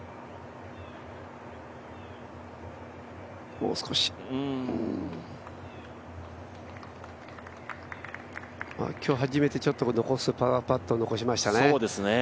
もう少し今日初めてちょっとパーパットを残しましたね。